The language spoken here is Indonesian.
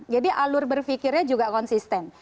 jadi alur berfikirnya juga konsisten